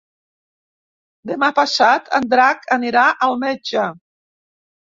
Demà passat en Drac anirà al metge.